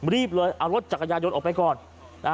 รีบเลยเอารถจักรยานยนต์ออกไปก่อน